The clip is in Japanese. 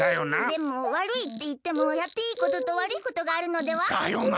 でもわるいっていってもやっていいこととわるいことがあるのでは？だよな。